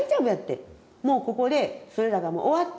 もうここでそれらがもう終わってしまったんやと。